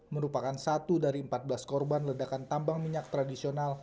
merupakan satu dari empat belas korban ledakan tambang minyak tradisional